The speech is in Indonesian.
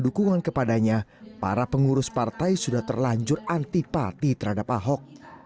sebagai sebuah penjara para pengurus partai sudah terlanjur antipati terhadap ahok